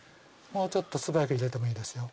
もうちょっと素早く入れてもいいですよ。